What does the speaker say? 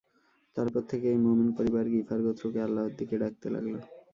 তারপর থেকে এই মুমিন পরিবার গিফার গোত্রকে আল্লাহর দিকে ডাকতে লাগল।